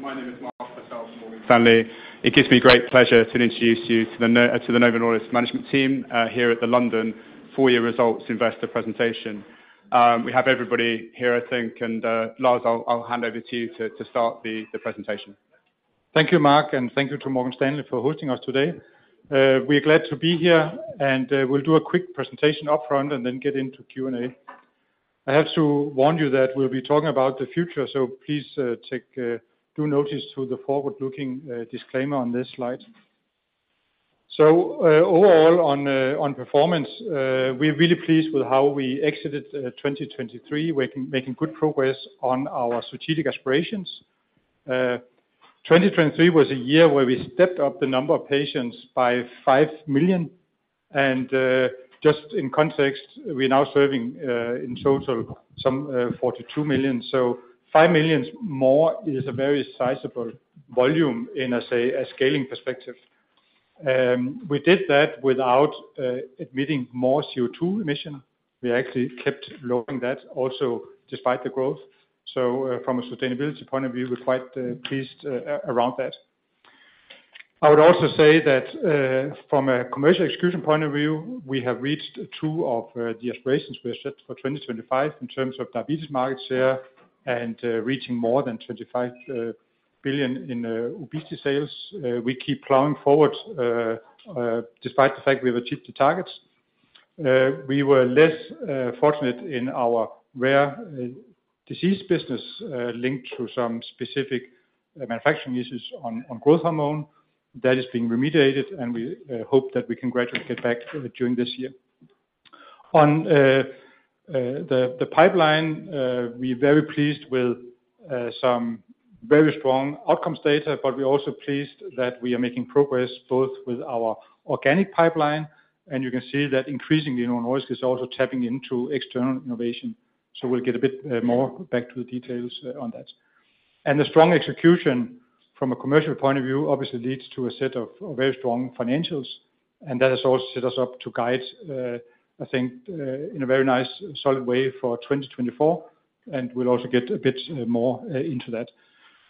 My name is Mark Purcell from Morgan Stanley. It gives me great pleasure to introduce you to the Novo Nordisk management team here at the London full year results investor presentation. We have everybody here, I think, and Lars, I'll hand over to you to start the presentation. Thank you, Mark, and thank you to Morgan Stanley for hosting us today. We're glad to be here, and we'll do a quick presentation upfront and then get into Q&A. I have to warn you that we'll be talking about the future, so please take due notice to the forward-looking disclaimer on this slide. So overall on performance, we're really pleased with how we exited 2023, making good progress on our strategic aspirations. 2023 was a year where we stepped up the number of patients by 5 million, and just in context, we're now serving in total some 42 million. So 5 million more is a very sizable volume in, I say, a scaling perspective. We did that without emitting more CO2 emission. We actually kept lowering that also, despite the growth. So, from a sustainability point of view, we're quite pleased around that. I would also say that from a commercial execution point of view, we have reached two of the aspirations we set for 2025 in terms of diabetes market share and reaching more than 25 billion in obesity sales. We keep plowing forward despite the fact we have achieved the targets. We were less fortunate in our rare disease business linked to some specific manufacturing issues on growth hormone. That is being remediated, and we hope that we can gradually get back during this year. On the pipeline, we're very pleased with some very strong outcomes data, but we're also pleased that we are making progress both with our organic pipeline, and you can see that increasingly Novo Nordisk is also tapping into external innovation. So we'll get a bit more back to the details on that. And the strong execution from a commercial point of view obviously leads to a set of very strong financials, and that has also set us up to guide, I think, in a very nice, solid way for 2024, and we'll also get a bit more into that.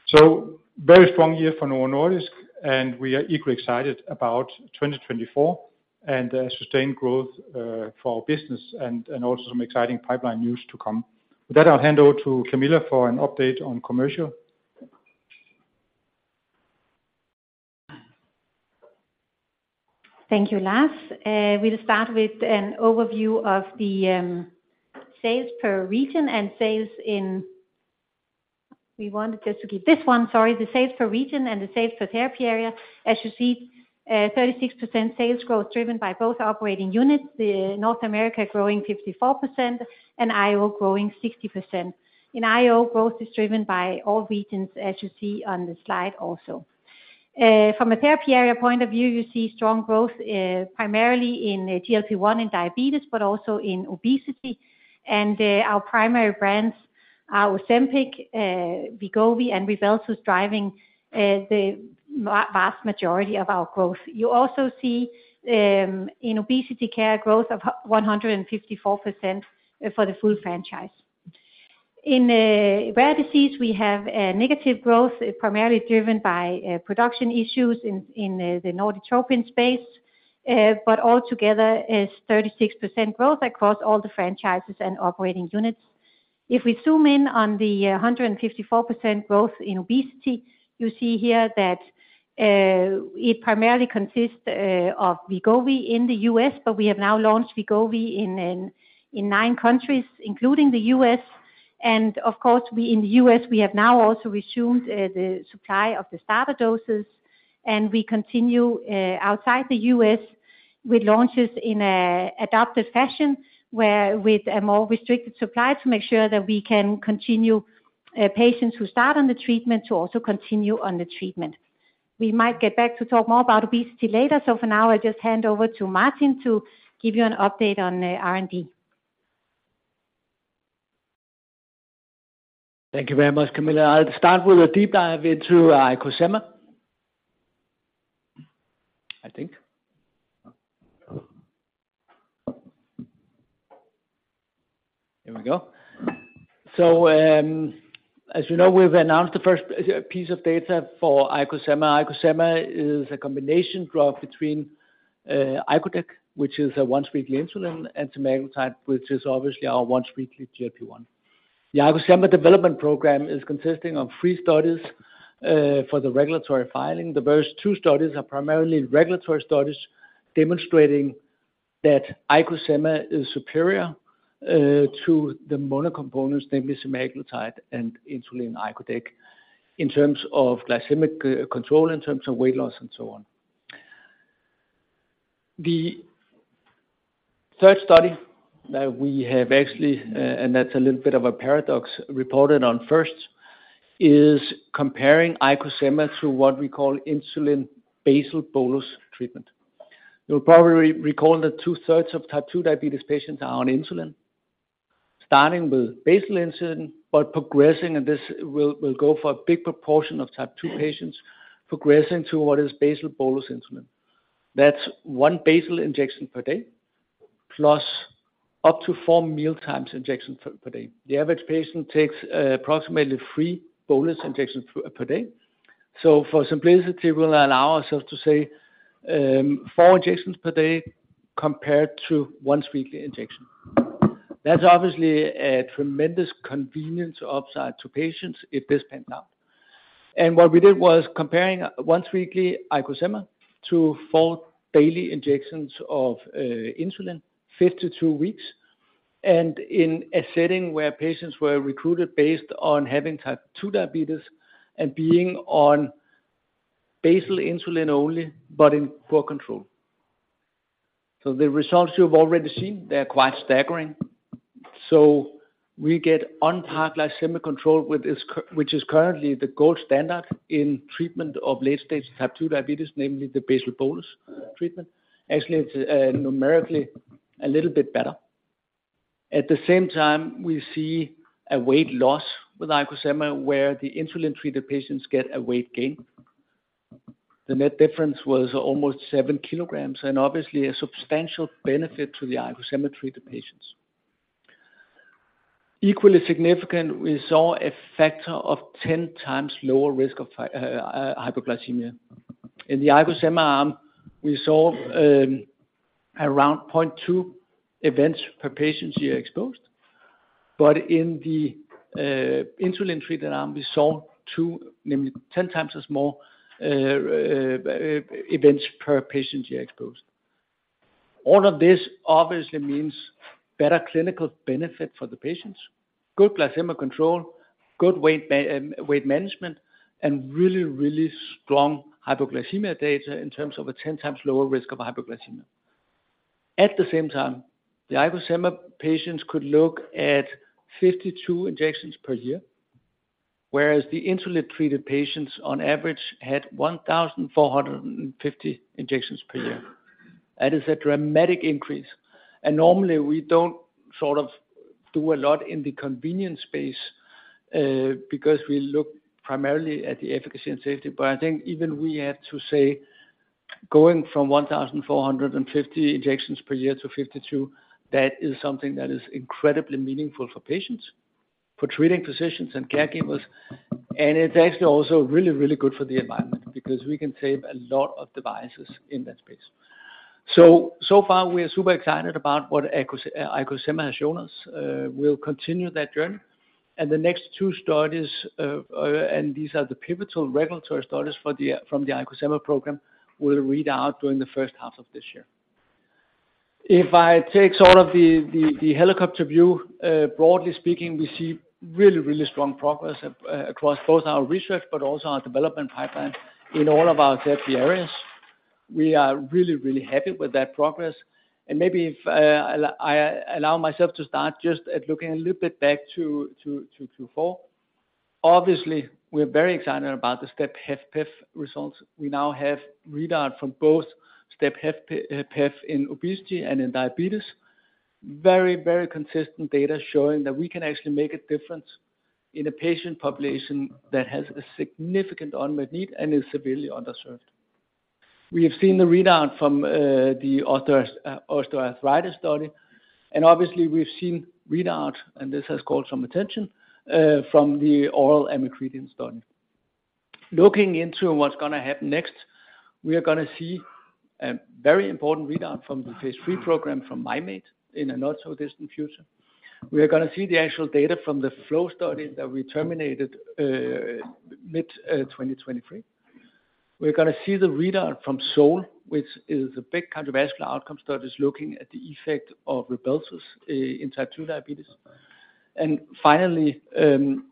So very strong year for Novo Nordisk, and we are equally excited about 2024 and sustained growth for our business and also some exciting pipeline news to come. With that, I'll hand over to Camilla for an update on commercial. Thank you, Lars. We'll start with an overview of the sales per region and the sales per therapy area. As you see, 36% sales growth driven by both operating units, the North America growing 54% and IO growing 60%. In IO, growth is driven by all regions, as you see on the slide also. From a therapy area point of view, you see strong growth, primarily in GLP-1 in diabetes, but also in obesity. And, our primary brands are Ozempic, Wegovy, and Rybelsus, driving the vast majority of our growth. You also see, in obesity care, growth of 154%, for the full franchise. In rare disease, we have negative growth, primarily driven by production issues in the Norditropin space. But altogether is 36% growth across all the franchises and operating units. If we zoom in on the 154% growth in obesity, you see here that it primarily consists of Wegovy in the U.S., but we have now launched Wegovy in nine countries, including the U.S. And of course, in the U.S., we have now also resumed the supply of the starter doses, and we continue outside the U.S. with launches in an adaptive fashion, where with a more restricted supply, to make sure that we can continue patients who start on the treatment to also continue on the treatment. We might get back to talk more about obesity later. So for now, I'll just hand over to Martin to give you an update on R&D. Thank you very much, Camilla. I'll start with a deep dive into IcoSema, I think. Here we go. As you know, we've announced the first piece of data for IcoSema. IcoSema is a combination drug between icodec, which is a once-weekly insulin, and semaglutide, which is obviously our once-weekly GLP-1. The IcoSema development program is consisting of three studies for the regulatory filing. The first two studies are primarily regulatory studies, demonstrating that IcoSema is superior to the monocomponents, namely semaglutide and insulin icodec, in terms of glycemic control, in terms of weight loss, and so on. The third study that we have actually, and that's a little bit of a paradox, reported on first, is comparing IcoSema to what we call insulin basal bolus treatment. You'll probably recall that two-thirds of Type 2 diabetes patients are on insulin, starting with basal insulin, but progressing, and this will go for a big proportion of Type 2 patients, progressing to what is basal bolus insulin. That's one basal injection per day, plus up to four mealtime injections per day. The average patient takes approximately three bolus injections per day. So for simplicity, we'll allow ourselves to say four injections per day compared to once weekly injection. That's obviously a tremendous convenience upside to patients if this pans out. And what we did was comparing once weekly IcoSema to four daily injections of insulin, 52 weeks, and in a setting where patients were recruited based on having Type 2 diabetes and being on basal insulin only, but in poor control. So the results you've already seen, they're quite staggering. So we get on par glycemic control, with this which is currently the gold standard in treatment of late stage Type 2 diabetes, namely the basal bolus treatment. Actually, it's numerically a little bit better. At the same time, we see a weight loss with IcoSema, where the insulin-treated patients get a weight gain. The net difference was almost 7 kilograms, and obviously a substantial benefit to the IcoSema treated patients. Equally significant, we saw a factor of 10 times lower risk of hypoglycemia. In the IcoSema arm, we saw around 0.2 events per patient year exposed, but in the insulin-treated arm, we saw 2, namely, 10 times as more events per patient year exposed. All of this obviously means better clinical benefit for the patients, good glycemic control, good weight management, and really, really strong hypoglycemia data in terms of a 10 times lower risk of hypoglycemia. At the same time, the IcoSema patients could look at 52 injections per year, whereas the insulin-treated patients on average had 1,450 injections per year. That is a dramatic increase, and normally we don't sort of do a lot in the convenience space, because we look primarily at the efficacy and safety. But I think even we have to say, going from 1,450 injections per year to 52, that is something that is incredibly meaningful for patients, for treating physicians and caregivers, and it's actually also really, really good for the environment because we can save a lot of devices in that space. So, so far, we are super excited about what IcoSema has shown us. We'll continue that journey, and the next two studies, and these are the pivotal regulatory studies for the, from the IcoSema program, will read out during the first half of this year. If I take sort of the helicopter view, broadly speaking, we see really, really strong progress across both our research, but also our development pipeline in all of our therapy areas. We are really, really happy with that progress. And maybe if I allow myself to start just at looking a little bit back to fall. Obviously, we're very excited about the STEP HFpEF results. We now have read out from both STEP HFpEF in obesity and in diabetes. Very, very consistent data showing that we can actually make a difference in a patient population that has a significant unmet need and is severely underserved. We have seen the readout from the osteoarthritis study, and obviously we've seen readout, and this has caught some attention from the oral amycretin study. Looking into what's gonna happen next, we are gonna see a very important readout from the phase III program from Mim8 in the not-so-distant future. We are gonna see the actual data from the FLOW study that we terminated mid-2023. We're gonna see the readout from SOUL, which is a big cardiovascular outcome study, is looking at the effect of Rybelsus in Type 2 diabetes. Finally,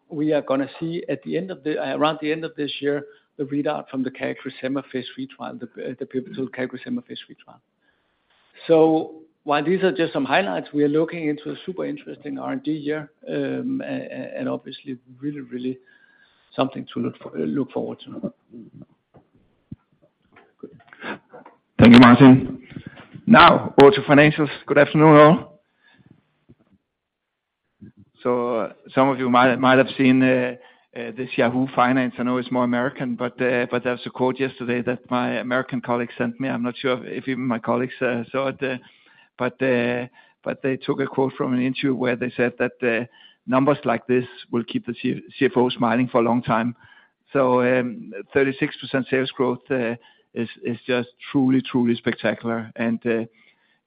we are gonna see at the end of the, around the end of this year, the readout from the CagriSema phase III trial, the pivotal CagriSema phase III trial. So while these are just some highlights, we are looking into a super interesting R&D year, and obviously really, really something to look forward to. Thank you, Martin. Now on to financials. Good afternoon, all. So some of you might, might have seen this Yahoo Finance. I know it's more American, but there was a quote yesterday that my American colleague sent me. I'm not sure if even my colleagues saw it, but they took a quote from an interview where they said that, "Numbers like this will keep the CFOs smiling for a long time." So, 36% sales growth is just truly, truly spectacular, and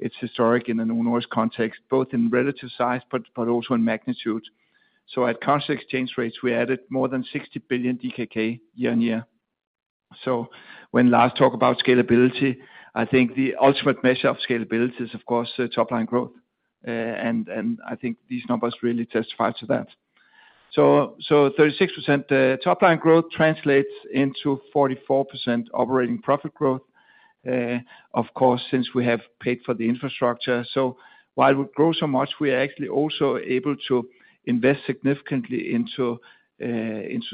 it's historic in a Novo Nordisk context, both in relative size, but also in magnitude. So at current exchange rates, we added more than 60 billion DKK year-on-year. So when Lars talks about scalability, I think the ultimate measure of scalability is, of course, top line growth, and I think these numbers really testify to that. So 36% top line growth translates into 44% operating profit growth, of course, since we have paid for the infrastructure. So while we grow so much, we are actually also able to invest significantly into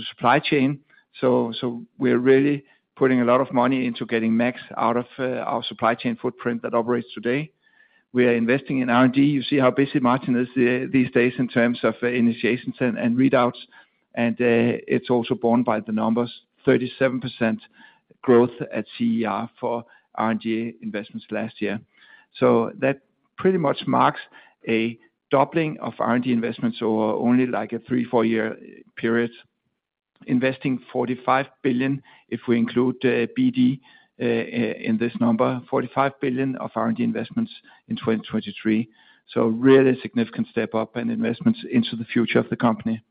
supply chain. So we're really putting a lot of money into getting max out of our supply chain footprint that operates today. We are investing in R&D. You see how busy Martin is these days in terms of initiations and readouts, and it's also borne by the numbers, 37% growth at CER for R&D investments last year. So that pretty much marks a doubling of R&D investments over only like a 3-4-year period, investing 45 billion, if we include, BD, in this number, 45 billion of R&D investments in 2023. So really significant step up in investments into the future of the company.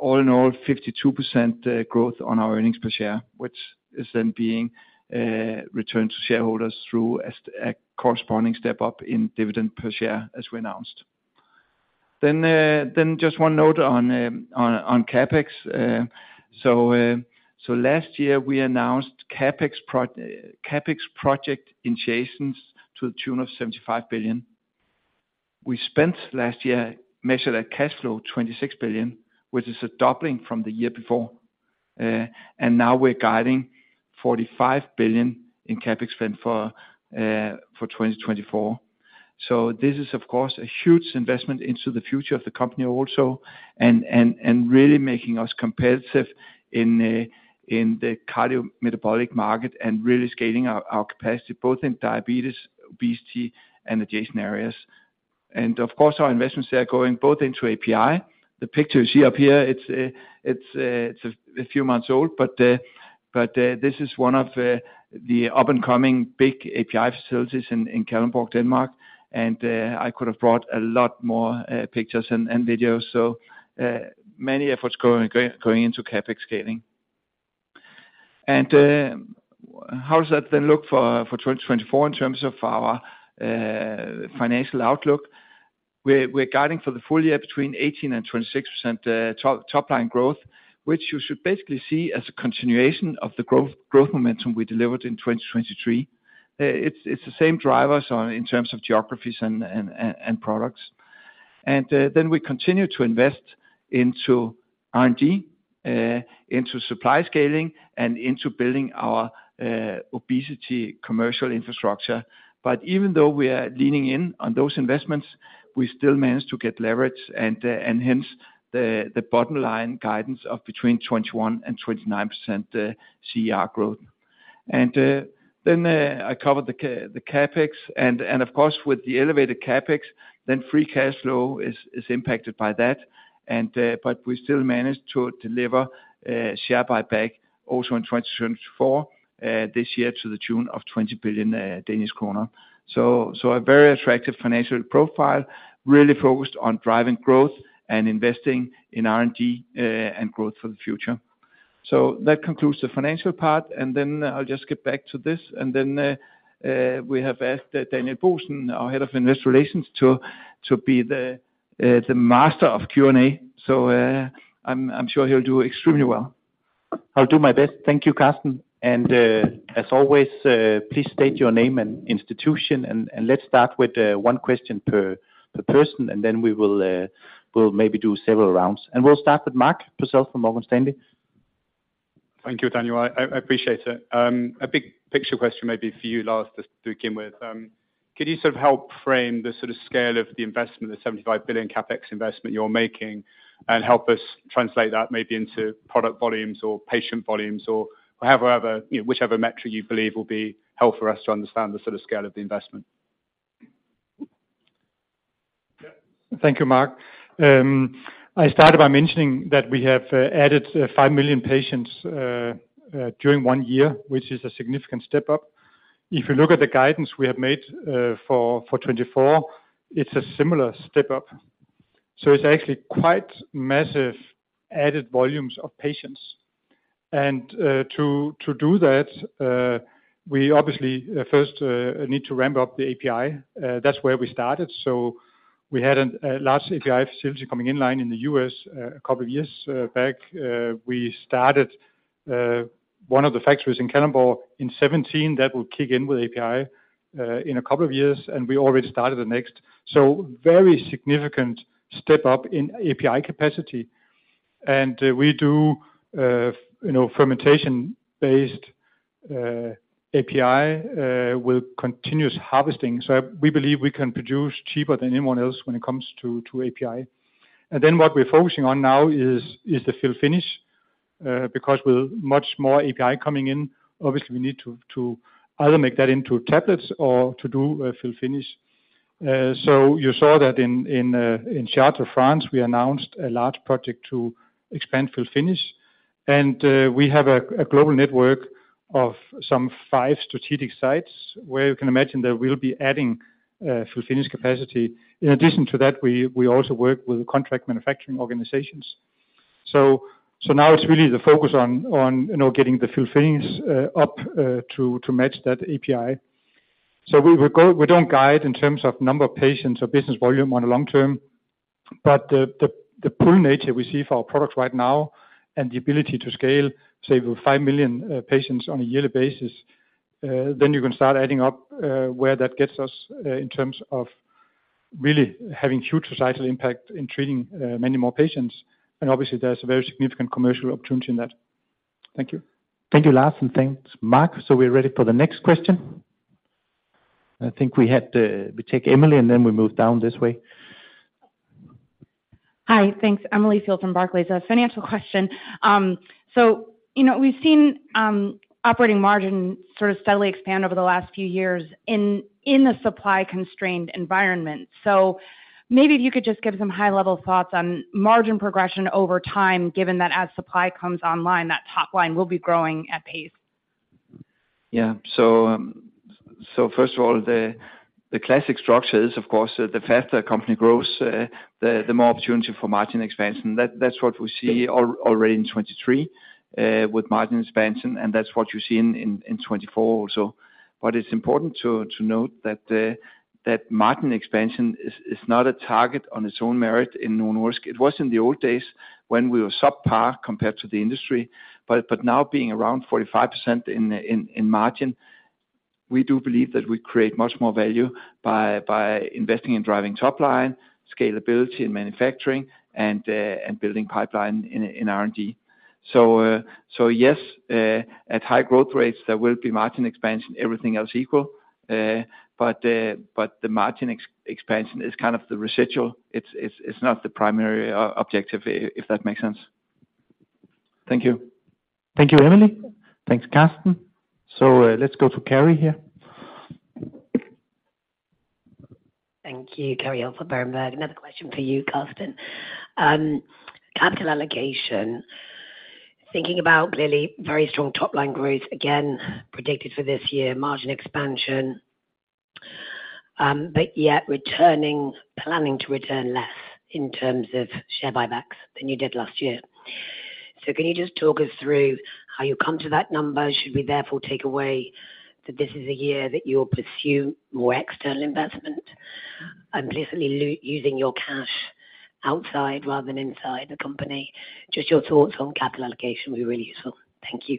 All in all, 52% growth on our earnings per share, which is then being returned to shareholders through as a corresponding step up in dividend per share, as we announced. Then just one note on CapEx. Last year we announced CapEx project investments to the tune of 75 billion. We spent last year, measured at cash flow, 26 billion, which is a doubling from the year before. And now we're guiding 45 billion in CapEx spend for 2024. So this is, of course, a huge investment into the future of the company also, and really making us competitive in the cardiometabolic market and really scaling our capacity, both in diabetes, obesity, and adjacent areas. And of course, our investments are going both into API. The picture you see up here, it's a few months old, but this is one of the up-and-coming big API facilities in Kalundborg, Denmark. And I could have brought a lot more pictures and videos. So many efforts going into CapEx scaling. And how does that then look for 2024 in terms of our financial outlook? We're guiding for the full year between 18% and 26% top-line growth, which you should basically see as a continuation of the growth momentum we delivered in 2023. It's the same drivers in terms of geographies and products. Then we continue to invest into R&D, into supply scaling, and into building our obesity commercial infrastructure. But even though we are leaning in on those investments, we still manage to get leverage and hence the bottom line guidance of between 21% and 29% CER growth. Then I covered the CapEx, and of course, with the elevated CapEx, then free cash flow is impacted by that. But we still manage to deliver share buyback also in 2024, this year, to the tune of 20 billion Danish kroner. So a very attractive financial profile, really focused on driving growth and investing in R&D and growth for the future. So that concludes the financial part, and then I'll just get back to this, and then we have asked Daniel Bohsen, our head of investor relations, to be the master of Q&A. So I'm sure he'll do extremely well. I'll do my best. Thank you, Karsten. And, as always, please state your name and institution, and let's start with one question per person, and then we will, we'll maybe do several rounds. And we'll start with Mark Purcell from Morgan Stanley. Thank you, Daniel. I appreciate it. A big picture question maybe for you, Lars, just to begin with. Can you sort of help frame the sort of scale of the investment, the 75 billion CapEx investment you're making, and help us translate that maybe into product volumes or patient volumes or however, whichever metric you believe will be helpful for us to understand the sort of scale of the investment? Thank you, Mark. I started by mentioning that we have added 5 million patients during one year, which is a significant step up. If you look at the guidance we have made for 2024, it's a similar step up. So it's actually quite massive added volumes of patients. And to do that, we obviously first need to ramp up the API. That's where we started. So we had a large API facility coming in line in the U.S. a couple of years back. We started one of the factories in Kalundborg in 2017 that will kick in with API in a couple of years, and we already started the next. So very significant step up in API capacity. We do, you know, fermentation-based API with continuous harvesting, so we believe we can produce cheaper than anyone else when it comes to API. And then what we're focusing on now is the fill finish, because with much more API coming in, obviously, we need to either make that into tablets or to do a fill finish. So you saw that in Chartres, France, we announced a large project to expand fill finish, and we have a global network of some five strategic sites where you can imagine that we'll be adding fill finish capacity. In addition to that, we also work with contract manufacturing organizations. So now it's really the focus on, you know, getting the fill finish up to match that API. We don't guide in terms of number of patients or business volume on the long term, but the pool nature we see for our products right now and the ability to scale, say, 5 million patients on a yearly basis, then you can start adding up where that gets us in terms of really having huge societal impact in treating many more patients. And obviously, there's a very significant commercial opportunity in that. Thank you. Thank you, Lars, and thanks, Mark. So we're ready for the next question. I think we take Emily and then we move down this way. Hi, thanks. Emily Field from Barclays. A financial question. So, you know, we've seen operating margin sort of steadily expand over the last few years in a supply-constrained environment. So maybe if you could just give some high-level thoughts on margin progression over time, given that as supply comes online, that top line will be growing at pace. Yeah. So, first of all, the classic structure is, of course, the faster a company grows, the more opportunity for margin expansion. That's what we see already in 2023, with margin expansion, and that's what you see in 2024 also. But it's important to note that margin expansion is not a target on its own merit in Novo Nordisk. It was in the old days when we were subpar compared to the industry. But now being around 45% in margin, we do believe that we create much more value by investing in driving top line, scalability and manufacturing, and building pipeline in R&D. So, yes, at high growth rates, there will be margin expansion, everything else equal. But the margin expansion is kind of the residual. It's not the primary objective, if that makes sense. Thank you. Thank you, Emily. Thanks, Karsten. So, let's go to Kerry here. Thank you. Kerry Holford from Berenberg. Another question for you, Karsten. Capital allocation. Thinking about clearly very strong top-line growth, again, predicted for this year, margin expansion, but yet returning, planning to return less in terms of share buybacks than you did last year. So can you just talk us through how you come to that number? Should we therefore take away that this is a year that you'll pursue more external investment and basically using your cash outside rather than inside the company? Just your thoughts on capital allocation will be really useful. Thank you.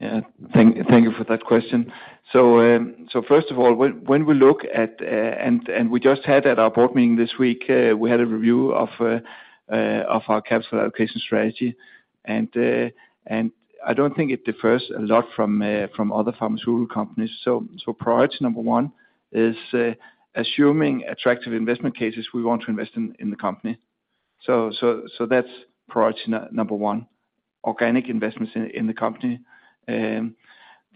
Yeah. Thank you for that question. So, first of all, when we look at and we just had at our board meeting this week, we had a review of our capital allocation strategy. And I don't think it differs a lot from other pharmaceutical companies. So priority number one is, assuming attractive investment cases we want to invest in the company. So that's priority number one: organic investments in the company.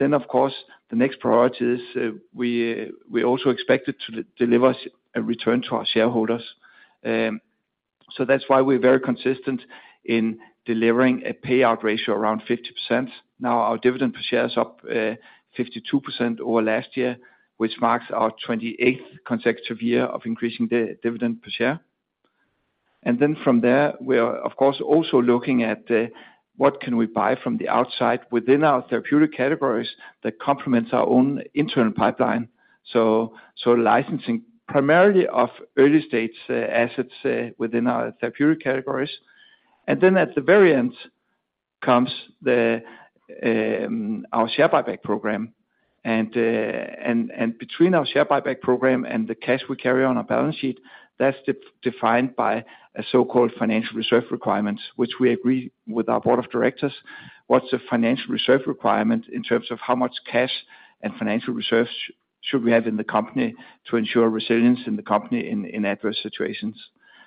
Then, of course, the next priority is, we also expect it to deliver us a return to our shareholders. So that's why we're very consistent in delivering a payout ratio around 50%. Now, our dividend per share is up 52% over last year, which marks our 28th consecutive year of increasing the dividend per share. From there, we are, of course, also looking at what we can buy from the outside within our therapeutic categories that complements our own internal pipeline, so licensing primarily of early-stage assets within our therapeutic categories. At the very end comes our share buyback program. Between our share buyback program and the cash we carry on our balance sheet, that's defined by a so-called financial reserve requirements, which we agree with our board of directors, what's the financial reserve requirement in terms of how much cash and financial reserves should we have in the company to ensure resilience in the company in adverse situations?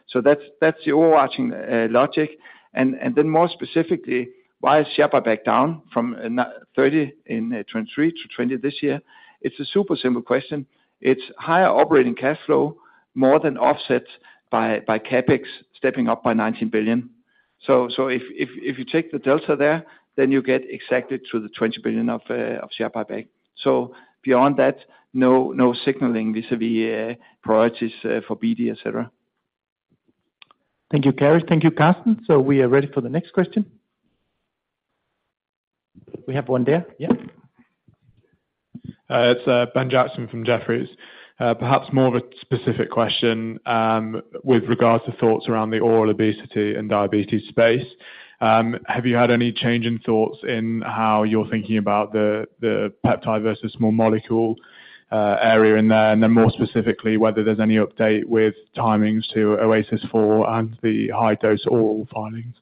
So that's, that's the overarching logic. And then more specifically, why is share buyback down from 90 in 2023 to 20 this year? It's a super simple question. It's higher operating cash flow, more than offset by CapEx stepping up by 19 billion. So if you take the delta there, then you get exactly to the 20 billion of share buyback. So beyond that, no signaling vis-à-vis priorities for BD, etc. Thank you, Kerry. Thank you, Karsten. We are ready for the next question. We have one there, yeah. It's Ben Jackson from Jefferies. Perhaps more of a specific question, with regards to thoughts around the oral obesity and diabetes space. Have you had any change in thoughts in how you're thinking about the, the peptide versus small molecule, area in there? And then more specifically, whether there's any update with timings to OASIS 4 and the high-dose oral filings.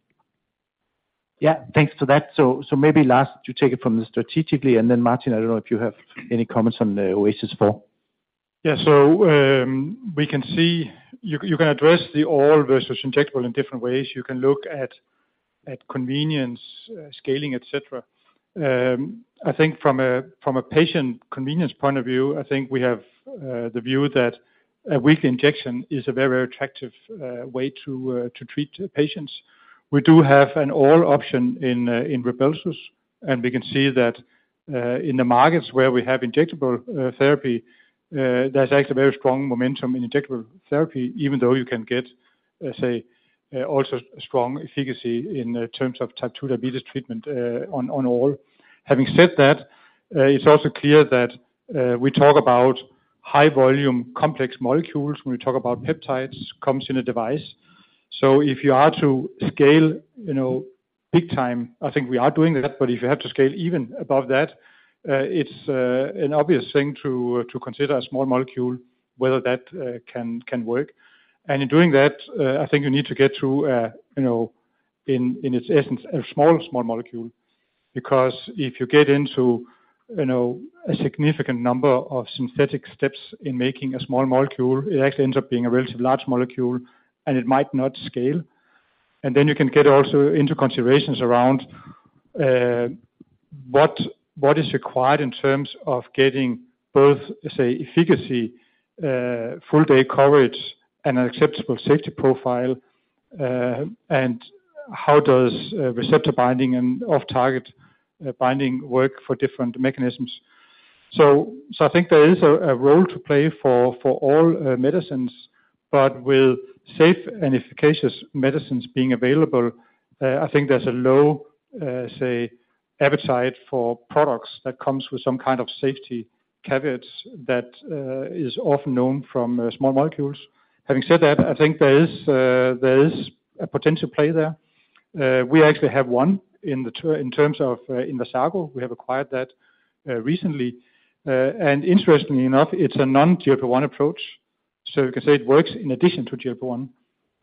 Yeah, thanks for that. So, maybe Lars, you take it from the strategically, and then Martin, I don't know if you have any comments on the OASIS 4. Yeah. So, we can see—you can address the oral versus injectable in different ways. You can look at convenience, scaling, et cetera. I think from a patient convenience point of view, I think we have the view that a weekly injection is a very attractive way to treat patients. We do have an oral option in Rybelsus, and we can see that in the markets where we have injectable therapy, there's actually very strong momentum in injectable therapy, even though you can get, let's say, also strong efficacy in terms of Type 2 diabetes treatment on oral. Having said that, it's also clear that we talk about high volume, complex molecules when we talk about peptides, comes in a device. So if you are to scale, you know, big time, I think we are doing that, but if you have to scale even above that, it's an obvious thing to consider a small molecule, whether that can work. And in doing that, I think you need to get through in its essence a small molecule, because if you get into, you know, a significant number of synthetic steps in making a small molecule, it actually ends up being a relatively large molecule, and it might not scale. And then you can get also into considerations around what is required in terms of getting both, say, efficacy, full day coverage and an acceptable safety profile, and how does receptor binding and off-target binding work for different mechanisms? So, I think there is a role to play for all medicines, but with safe and efficacious medicines being available, I think there's a low, say, appetite for products that comes with some kind of safety caveats that is often known from small molecules. Having said that, I think there is a potential play there. We actually have one in terms of Inversago. We have acquired that recently. And interestingly enough, it's a non GLP-1 approach, so you can say it works in addition to GLP-1.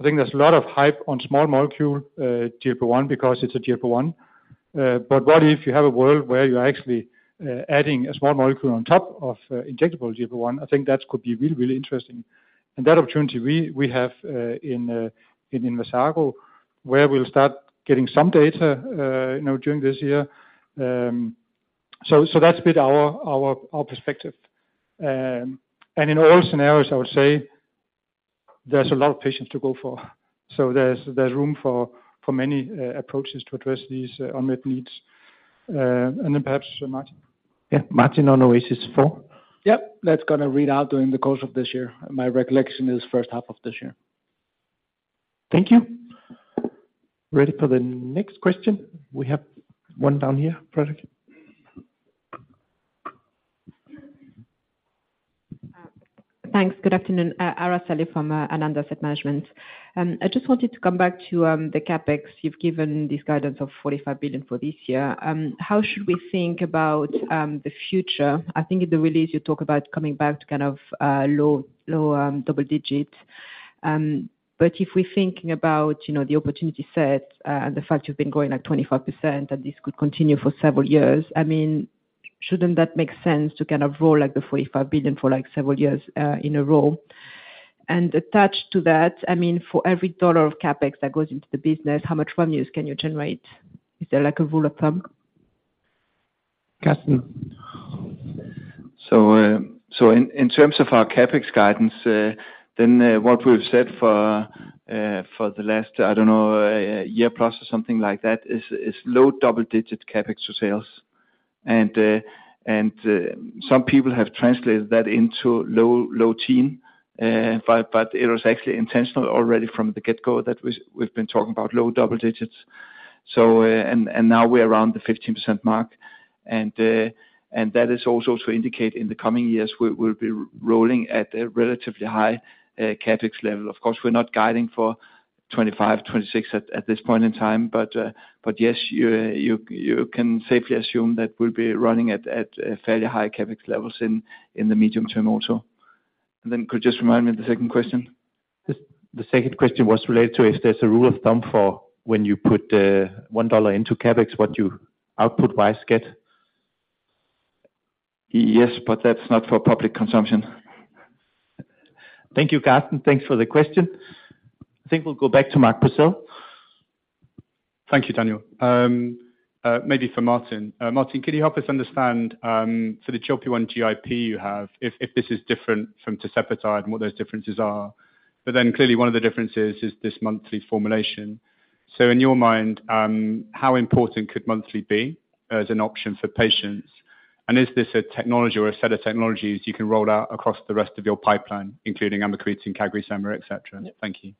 I think there's a lot of hype on small molecule GLP-1, because it's a GLP-1. But what if you have a world where you're actually adding a small molecule on top of injectable GLP-1? I think that could be really, really interesting. That opportunity we have Inversago, where we'll start getting some data, you know, during this year. So that's been our perspective. And in all scenarios, I would say there's a lot of patients to go for. There's room for many approaches to address these unmet needs. And then perhaps Martin. Yeah, Martin on OASIS 4. Yep. That's gonna read out during the course of this year. My recollection is first half of this year. Thank you. Ready for the next question. We have one down here, Frederick. Thanks. Good afternoon. Araceli from Ananda Asset Management. I just wanted to come back to the CapEx. You've given this guidance of 45 billion for this year. How should we think about the future? I think in the release you talk about coming back to kind of low double digits. But if we're thinking about, you know, the opportunity set, and the fact you've been growing at 25%, and this could continue for several years, I mean, shouldn't that make sense to kind of roll, like, the 45 billion for, like, several years in a row? And attached to that, I mean, for every dollar of CapEx that goes into the business, how much revenues can you generate? Is there like a rule of thumb? Karsten? So, in terms of our CapEx guidance, then, what we've said for the last, I don't know, year plus or something like that, is low double digit CapEx to sales. And, some people have translated that into low low-teen, but it was actually intentional already from the get-go that we've been talking about low double digits. So, and now we're around the 15% mark, and that is also to indicate in the coming years we'll be rolling at a relatively high CapEx level. Of course, we're not guiding for 2025, 2026 at this point in time, but yes, you can safely assume that we'll be running at a fairly high CapEx levels in the medium term also. Then could you just remind me of the second question? The second question was related to if there's a rule of thumb for when you put $1 into CapEx, what you output-wise get? Yes, but that's not for public consumption. Thank you, Karsten. Thanks for the question. I think we'll go back to Mark Purcell. Thank you, Daniel. Maybe for Martin. Martin, can you help us understand, for the GLP-1 GIP you have, if, if this is different from tirzepatide and what those differences are? But then clearly one of the differences is this monthly formulation. So in your mind, how important could monthly be as an option for patients? And is this a technology or a set of technologies you can roll out across the rest of your pipeline, including amycretin, CagriSema, et cetera? Thank you.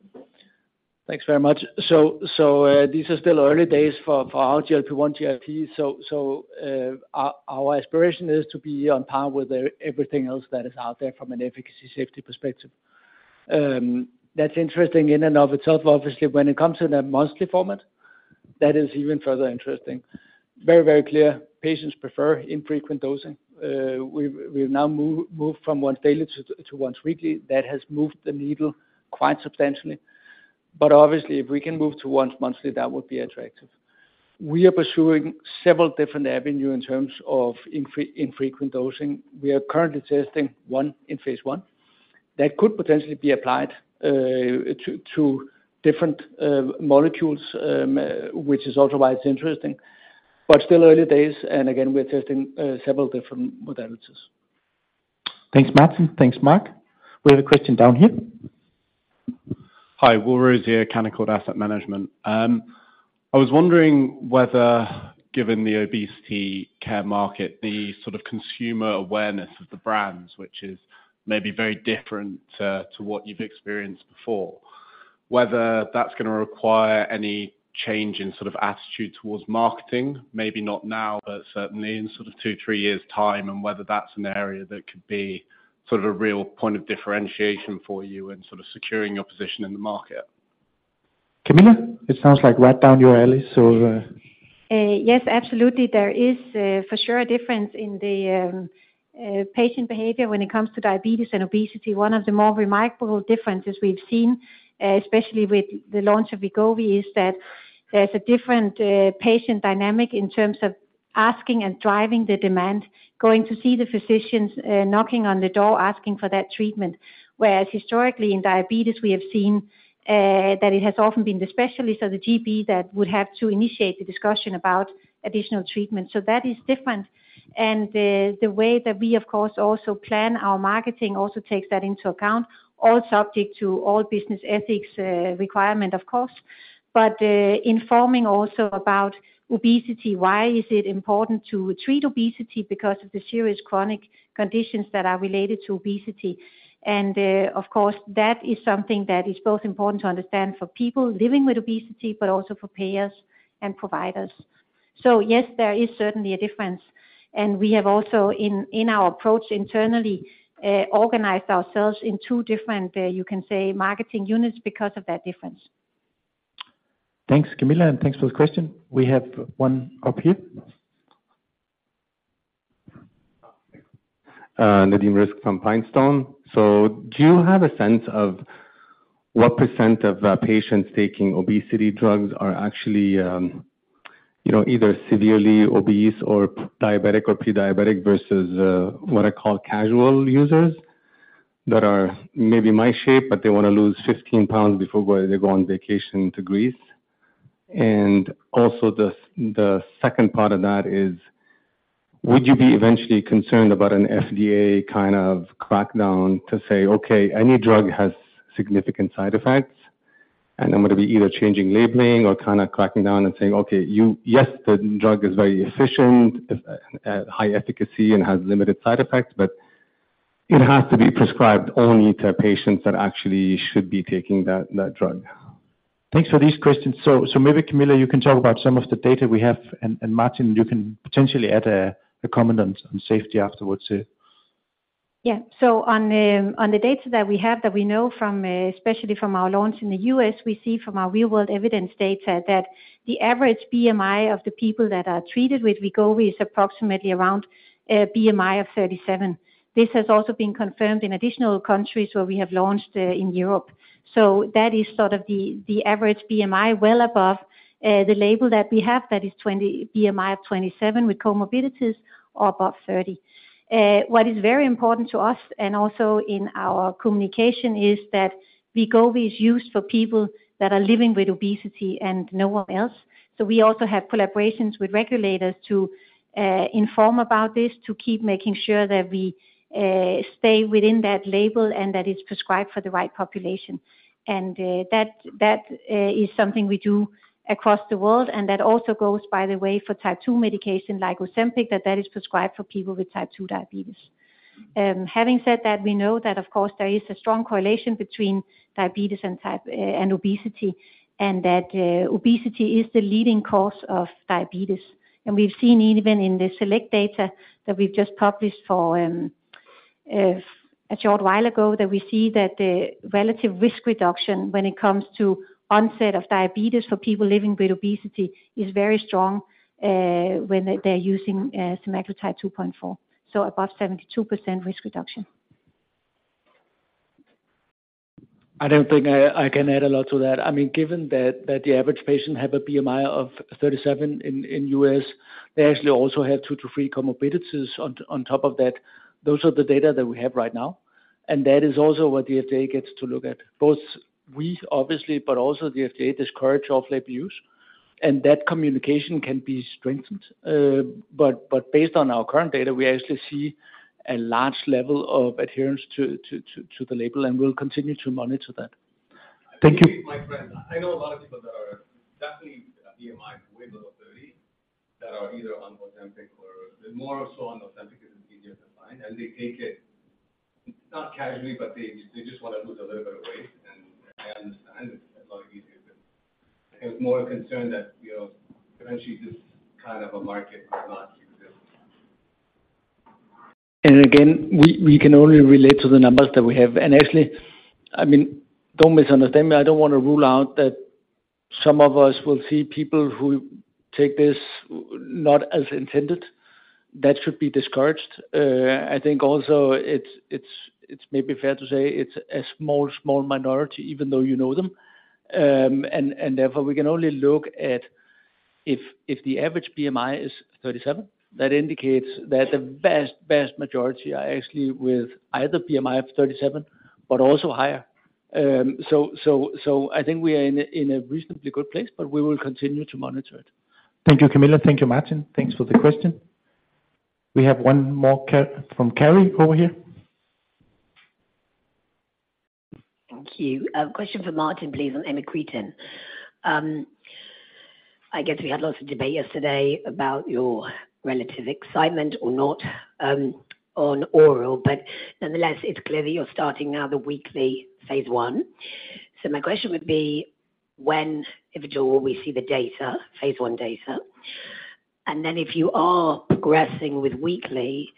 Thanks very much. These are still early days for our GLP-1 GIP. Our aspiration is to be on par with everything else that is out there from an efficacy safety perspective. That's interesting in and of itself. Obviously, when it comes to the monthly format, that is even further interesting. Very, very clear, patients prefer infrequent dosing. We've now moved from once daily to once weekly. That has moved the needle quite substantially, but obviously, if we can move to once monthly, that would be attractive. We are pursuing several different avenues in terms of infrequent dosing. We are currently testing one in phase I that could potentially be applied to different molecules, which is also why it's interesting. But still early days, and again, we're testing several different modalities. Thanks, Martin. Thanks, Mark. We have a question down here. Hi, Will Rose here, Canaccord Asset Management. I was wondering whether, given the obesity care market, the sort of consumer awareness of the brands, which is maybe very different, to what you've experienced before, whether that's gonna require any change in sort of attitude towards marketing? Maybe not now, but certainly in sort of 2, 3 years' time, and whether that's an area that could be sort of a real point of differentiation for you in sort of securing your position in the market. Camilla, it sounds like right down your alley, so— Yes, absolutely. There is, for sure a difference in the, patient behavior when it comes to diabetes and obesity. One of the more remarkable differences we've seen, especially with the launch of Wegovy, is that there's a different, patient dynamic in terms of asking and driving the demand, going to see the physicians, knocking on the door, asking for that treatment. Whereas historically, in diabetes, we have seen, that it has often been the specialist or the GP that would have to initiate the discussion about additional treatment. So that is different, and, the way that we, of course, also plan our marketing also takes that into account. All subject to all business ethics, requirement, of course. But, informing also about obesity, why is it important to treat obesity? Because of the serious chronic conditions that are related to obesity. And, of course, that is something that is both important to understand for people living with obesity, but also for payers and providers. So yes, there is certainly a difference, and we have also in our approach internally, organized ourselves in two different, you can say, marketing units because of that difference. Thanks, Camilla, and thanks for the question. We have one up here. Nadim Rizk from PineStone. So do you have a sense of what percent of patients taking obesity drugs are actually, you know, either severely obese or diabetic or pre-diabetic versus what I call casual users, that are maybe my shape, but they wanna lose 15 pounds before they go on vacation to Greece? And also, the second part of that is, would you be eventually concerned about an FDA kind of crackdown to say: "Okay, any drug has significant side effects, and I'm gonna be either changing labeling or kind of cracking down and saying, 'Okay, yes, the drug is very efficient at high efficacy and has limited side effects, but it has to be prescribed only to patients that actually should be taking that, that drug. Thanks for these questions. So maybe, Camilla, you can talk about some of the data we have, and Martin, you can potentially add a comment on safety afterwards, too. Yeah. So on the data that we know from, especially from our launch in the U.S., we see from our real-world evidence data, that the average BMI of the people that are treated with Wegovy is approximately around BMI of 37. This has also been confirmed in additional countries where we have launched in Europe. So that is sort of the average BMI, well above the label that we have, that is twenty-BMI of 27 with comorbidities, or above 30. What is very important to us, and also in our communication, is that Wegovy is used for people that are living with obesity and no one else. So we also have collaborations with regulators to inform about this, to keep making sure that we stay within that label, and that it's prescribed for the right population. That is something we do across the world, and that also goes, by the way, for Type 2 medication, like Ozempic, that is prescribed for people with Type 2 diabetes. Having said that, we know that, of course, there is a strong correlation between diabetes and Type 2 and obesity, and that obesity is the leading cause of diabetes. We've seen even in the SELECT data that we've just published a short while ago, that we see that the relative risk reduction, when it comes to onset of diabetes for people living with obesity, is very strong when they're using semaglutide 2.4, so above 72% risk reduction. I don't think I can add a lot to that. I mean, given that the average patient have a BMI of 37 in U.S., they actually also have 2-3 comorbidities on top of that. Those are the data that we have right now, and that is also what the FDA gets to look at. Both we, obviously, but also the FDA, discourage off-label use, and that communication can be strengthened. But based on our current data, we actually see a large level of adherence to the label, and we'll continue to monitor that. Thank you, my friend. I know a lot of people that are definitely a BMI way below 30, that are either on Ozempic or they're more so on Ozempic, because it's easier to find, and they take it, not casually, but they just wanna lose a little bit of weight. And I understand it's a lot easier, but I was more concerned that, you know, eventually this kind of a market will not exist. Again, we can only relate to the numbers that we have. And actually, I mean, don't misunderstand me, I don't wanna rule out that some of us will see people who take this, not as intended. That should be discouraged. I think also it's maybe fair to say it's a small, small minority, even though you know them. And therefore, we can only look at if the average BMI is 37, that indicates that the vast, vast majority are actually with either BMI of 37, but also higher. So I think we are in a reasonably good place, but we will continue to monitor it. Thank you, Camilla. Thank you, Martin. Thanks for the question. We have one more from Kerry over here. Thank you. Question for Martin, please, on amycretin. I guess we had lots of debate yesterday about your relative excitement or not, on oral, but nonetheless, it's clear that you're starting now the weekly phase I. So my question would be, when, if at all, will we see the data, phase I data? If you are progressing with weekly,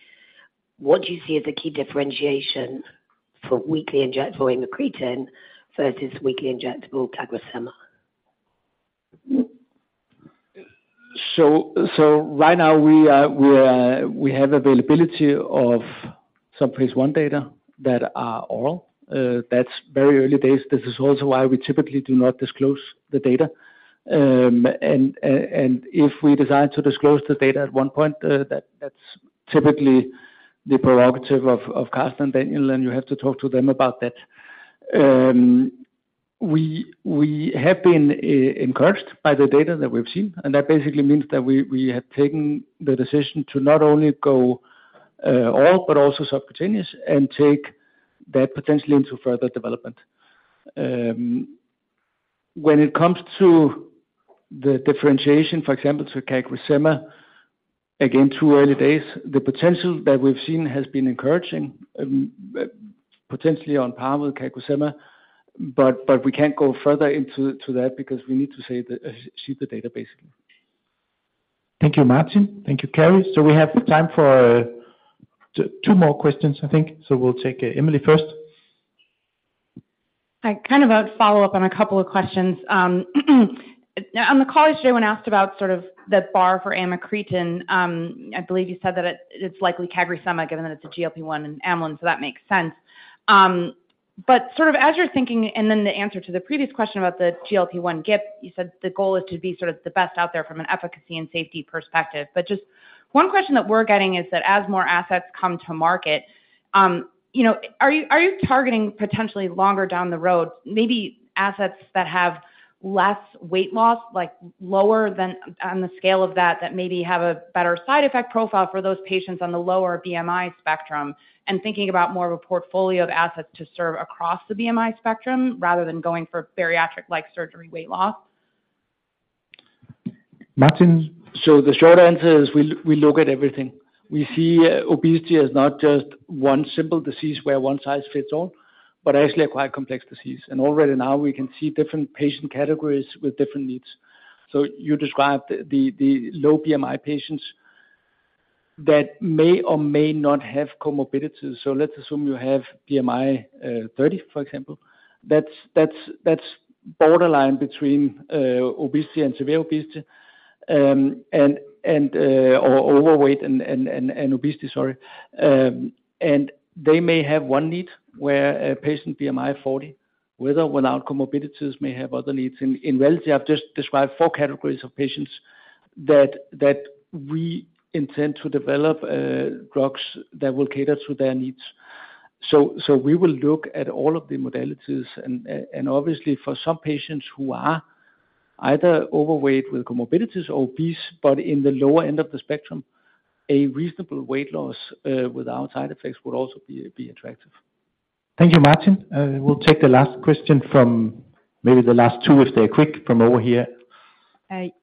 what do you see as the key differentiation for weekly injectable amycretin versus weekly injectable CagriSema? So right now we have availability of some phase I data that are oral. That's very early days. This is also why we typically do not disclose the data. And if we decide to disclose the data at one point, that's typically the prerogative of Karsten and Daniel, and you have to talk to them about that. We have been encouraged by the data that we've seen, and that basically means that we have taken the decision to not only go oral, but also subcutaneous and take that potentially into further development. When it comes to the differentiation, for example, to CagriSema, again, too early days. The potential that we've seen has been encouraging, potentially on par with CagriSema, but we can't go further into that because we need to see the data, basically. Thank you, Martin. Thank you, Kerry. So we have time for two more questions, I think. So we'll take Emily first. It's kind of a follow-up on a couple of questions. On the call today, when asked about sort of the bar for amycretin, I believe you said that it, it's likely CagriSema, given that it's a GLP-1 and amylin, so that makes sense. But sort of as you're thinking, and then the answer to the previous question about the GLP-1 GIP, you said the goal is to be sort of the best out there from an efficacy and safety perspective. Just one question that we're getting is that as more assets come to market, you know, are you, are you targeting potentially longer down the road, maybe assets that have less weight loss, like lower than on the scale of that, that maybe have a better side effect profile for those patients on the lower BMI spectrum, and thinking about more of a portfolio of assets to serve across the BMI spectrum, rather than going for bariatric-like surgery weight loss? Martin? So the short answer is we look at everything. We see obesity as not just one simple disease where one size fits all, but actually a quite complex disease. And already now we can see different patient categories with different needs. So you described the low BMI patients that may or may not have comorbidities. So let's assume you have BMI 30, for example. That's borderline between obesity and severe obesity or overweight and obesity, sorry. And they may have one need, where a patient BMI 40, with or without comorbidities, may have other needs. In reality, I've just described four categories of patients that we intend to develop drugs that will cater to their needs. We will look at all of the modalities, and obviously for some patients who are either overweight with comorbidities or obese, but in the lower end of the spectrum, a reasonable weight loss without side effects would also be attractive. Thank you, Martin. We'll take the last question from maybe the last two, if they're quick, from over here.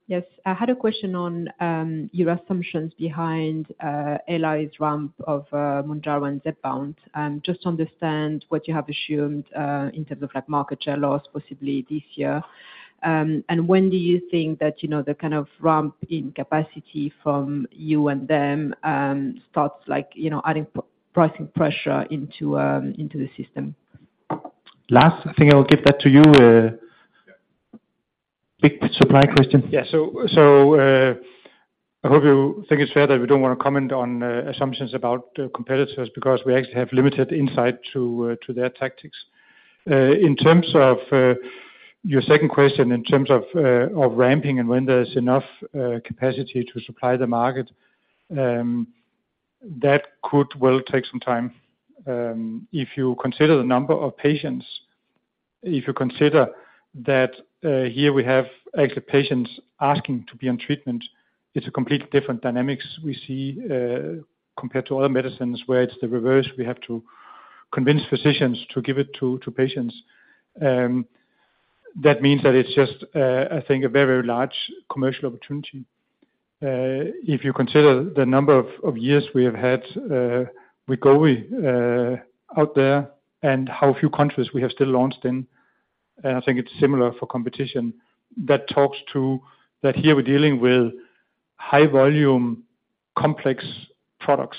Yes. I had a question on your assumptions behind Eli Lilly's ramp of Mounjaro and Zepbound. Just to understand what you have assumed in terms of like market share loss, possibly this year. And when do you think that, you know, the kind of ramp in capacity from you and them starts, like, you know, adding pricing pressure into the system? Lars, I think I'll give that to you. Yeah. Big supply question. Yeah. So, I hope you think it's fair that we don't want to comment on assumptions about competitors, because we actually have limited insight to their tactics. In terms of your second question, in terms of ramping and when there's enough capacity to supply the market, that could well take some time. If you consider the number of patients, if you consider that here we have actually patients asking to be on treatment, it's a completely different dynamics we see compared to other medicines, where it's the reverse. We have to convince physicians to give it to patients. That means that it's just, I think, a very large commercial opportunity. If you consider the number of years we have had Wegovy out there and how few countries we have still launched in, and I think it's similar for competition, that talks to that here we're dealing with high volume, complex products.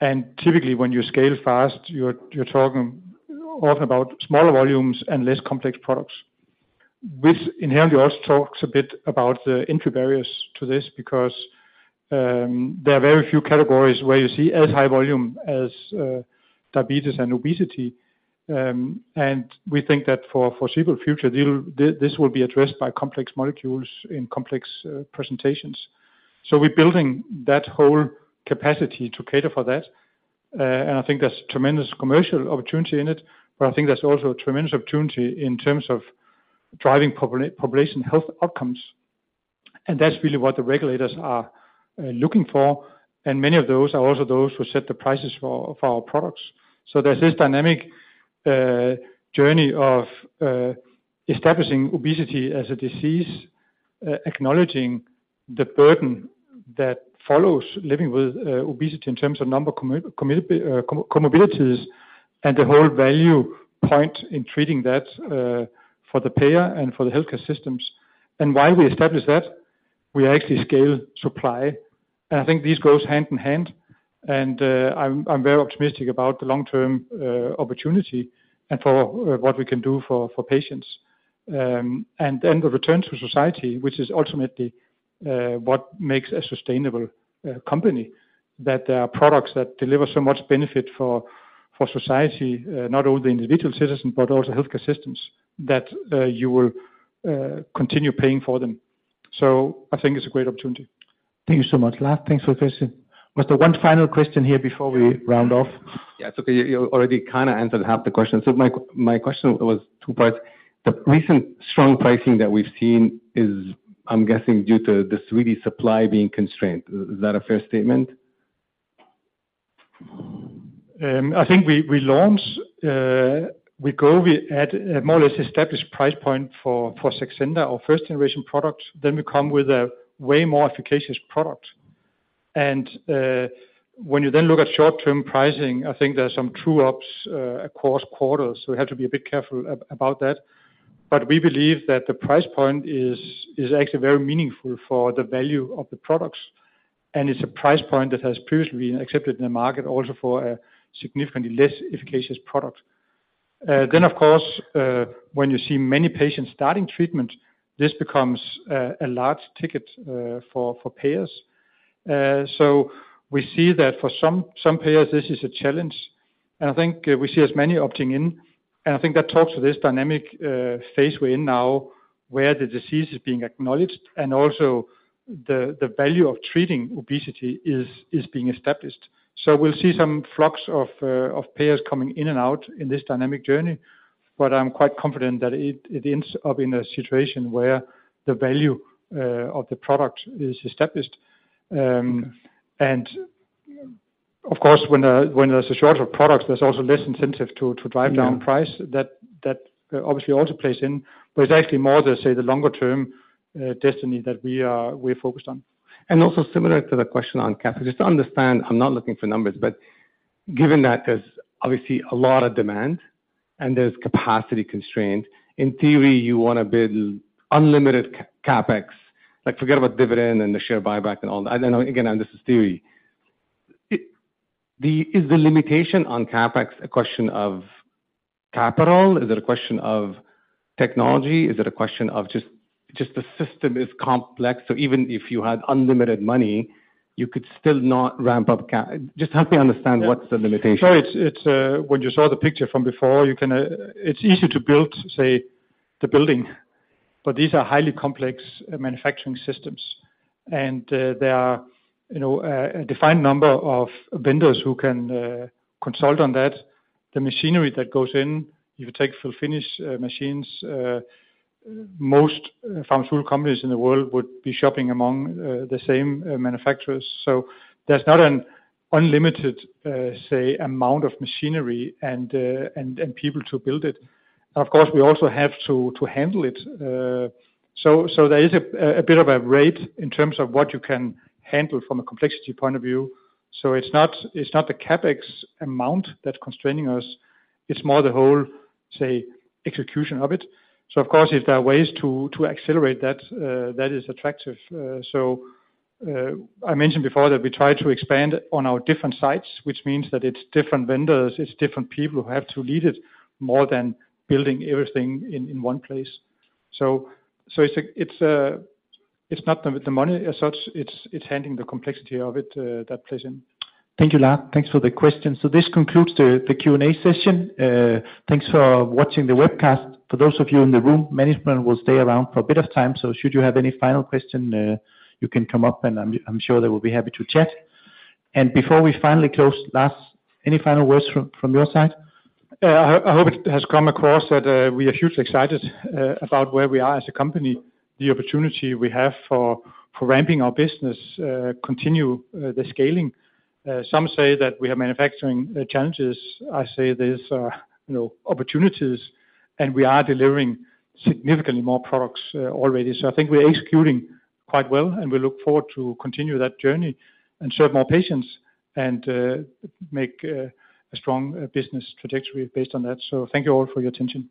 Typically, when you scale fast, you're talking often about smaller volumes and less complex products. This inherently also talks a bit about the entry barriers to this, because there are very few categories where you see as high volume as diabetes and obesity. We think that for foreseeable future, this will be addressed by complex molecules in complex presentations. We're building that whole capacity to cater for that, and I think there's tremendous commercial opportunity in it, but I think there's also a tremendous opportunity in terms of driving population health outcomes. That's really what the regulators are looking for, and many of those are also those who set the prices for our products. So there's this dynamic journey of establishing obesity as a disease, acknowledging the burden that follows living with obesity in terms of number of comorbidities, and the whole value point in treating that for the payer and for the healthcare systems. While we establish that, we actually scale supply, and I think this goes hand in hand, and I'm very optimistic about the long-term opportunity and for what we can do for patients. And then the return to society, which is ultimately what makes a sustainable company, that there are products that deliver so much benefit for society, not only the individual citizen, but also healthcare systems, that you will continue paying for them. So I think it's a great opportunity. Thank you so much, Lars. Thanks. Just one final question here before we round off. Yeah, it's okay. You already kind of answered half the question. So my question was two parts: The recent strong pricing that we've seen is, I'm guessing, due to the 3D supply being constrained. Is that a fair statement? I think we, we launched Wegovy at a more or less established price point for Saxenda, our first-generation product, then we come with a way more efficacious product. And when you then look at short-term pricing, I think there are some true ups across quarters, so we have to be a bit careful about that. But we believe that the price point is actually very meaningful for the value of the products, and it's a price point that has previously been accepted in the market, also for a significantly less efficacious product. Then, of course, when you see many patients starting treatment, this becomes a large ticket for payers. So we see that for some payers, this is a challenge, and I think we see as many opting in, and I think that talks to this dynamic phase we're in now, where the disease is being acknowledged, and also the value of treating obesity is being established. So we'll see some flocks of payers coming in and out in this dynamic journey, but I'm quite confident that it ends up in a situation where the value of the product is established. And of course, when there's a shorter product, there's also less incentive to drive down price. Yeah. That obviously also plays in, but it's actually more to say, the longer term destiny that we're focused on. And also similar to the question on CapEx, just to understand, I'm not looking for numbers, but given that there's obviously a lot of demand and there's capacity constraint, in theory, you want to build unlimited CapEx. Like, forget about dividend and the share buyback and all that. And again, this is theory. Is the limitation on CapEx a question of capital? Is it a question of technology? Is it a question of just the system is complex, so even if you had unlimited money, you could still not ramp up CapEx? Just help me understand what's the limitation. Sure. It's when you saw the picture from before, you can... It's easy to build, say, the building, but these are highly complex manufacturing systems, and there are, you know, a defined number of vendors who can consult on that. The machinery that goes in, if you take fill finish machines, most pharmaceutical companies in the world would be shopping among the same manufacturers. So there's not an unlimited say amount of machinery and people to build it. Of course, we also have to handle it, so there is a bit of a rate in terms of what you can handle from a complexity point of view. So it's not the CapEx amount that's constraining us, it's more the whole say execution of it. So of course, if there are ways to accelerate that, that is attractive. So, I mentioned before that we try to expand on our different sites, which means that it's different vendors, it's different people who have to lead it, more than building everything in one place. So it's not the money as such, it's handling the complexity of it that plays in. Thank you, Lars. Thanks for the question. So this concludes the Q&A session. Thanks for watching the webcast. For those of you in the room, management will stay around for a bit of time, so should you have any final question, you can come up, and I'm sure they will be happy to chat. And before we finally close, Lars, any final words from your side? I hope it has come across that we are hugely excited about where we are as a company, the opportunity we have for ramping our business, continue the scaling. Some say that we are manufacturing the challenges. I say these are, you know, opportunities, and we are delivering significantly more products already. So I think we're executing quite well, and we look forward to continue that journey and serve more patients, and make a strong business trajectory based on that. So thank you all for your attention.